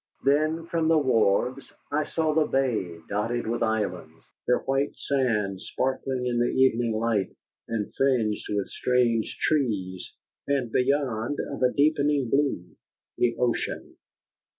Then, from the wharves, I saw the bay dotted with islands, their white sand sparkling in the evening light, and fringed with strange trees, and beyond, of a deepening blue, the ocean.